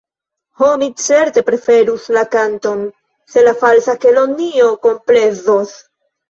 Ho, mi certe preferus la kanton, se la Falsa Kelonio komplezos.